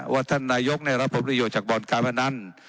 ท่านนายกได้รับผลประโยชน์จากบ่อนการพนัน